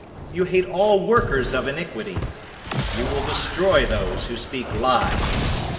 You hate all workers of iniquity. 005:006 You will destroy those who speak lies.